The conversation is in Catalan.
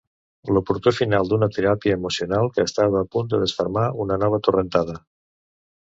L'oportú final d'una teràpia emocional que estava a punt de desfermar una nova torrentada.